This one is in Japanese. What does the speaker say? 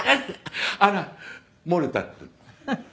「あら漏れた」って。